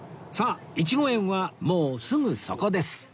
さあイチゴ園はもうすぐそこです